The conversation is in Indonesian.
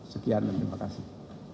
sekian dan terima kasih